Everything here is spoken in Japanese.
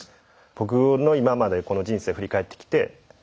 僕の今までこの人生振り返ってきて